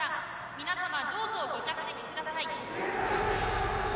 皆さん、どうぞご着席ください。